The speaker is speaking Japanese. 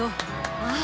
ああ。